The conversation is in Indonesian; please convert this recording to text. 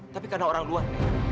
tapi karena orang luar